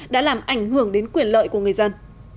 đã làm ảnh hưởng đến quyền lợi của người dân